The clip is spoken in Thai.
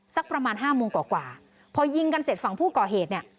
สักประมาณห้าโมงกว่าพอยิงกันเสร็จฝั่งผู้ก่อเหตุเนี่ย